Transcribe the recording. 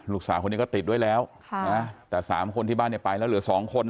ลูกสาวคนนี้ก็ติดด้วยแล้วแต่๓คนที่บ้านเนี่ยไปแล้วเหลือ๒คน